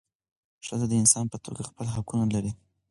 ښځه د انسان په توګه خپل حقونه لري .